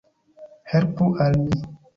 Helpu al mi.